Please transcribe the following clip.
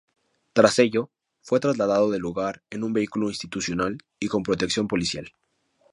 Tras ello, fue trasladado del lugar en un vehículo institucional y con protección policial.